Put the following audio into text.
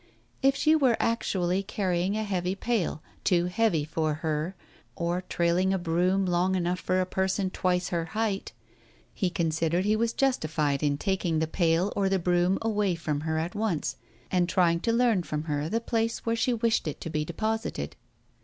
If she were actually carrying a heavy pail, too heavy for her or trailing a broom long enough for a person twice her height, he considered he was justified in taking the pail or the broom away from her at once and trying to learn from her the place where she wished it to be deposited.